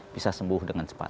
bisa sembuh dengan cepat